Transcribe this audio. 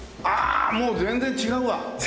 ああもう全然違うわ。